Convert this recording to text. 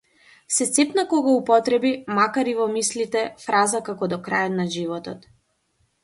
Се сепна кога употреби, макар и во мислите, фраза како до крајот на животот.